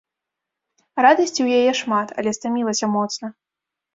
Радасці ў яе шмат, але стамілася моцна.